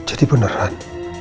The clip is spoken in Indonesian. hai jadi beneran